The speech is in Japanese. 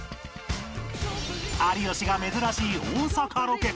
有吉が珍しい大阪ロケ